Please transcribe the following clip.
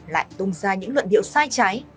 lại tung ra những luận điệu sai trái